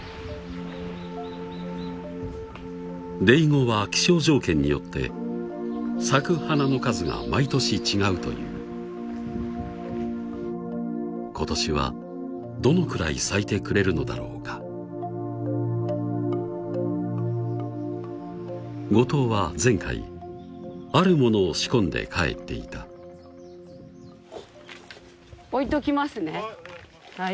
デイゴは気象条件によって咲く花の数が毎年違うという今年はどのくらい咲いてくれるのだろうか後藤は前回あるものを仕込んで帰っていた置いときますねはいお願いします